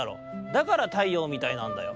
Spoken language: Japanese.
だから太陽みたいなんだよ。